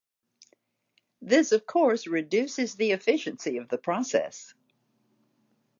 This, of course, reduces the efficiency of the process.